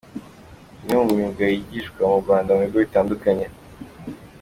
Imwe mu myuga yigishwa mu Rwanda mu bigo bitandukanye.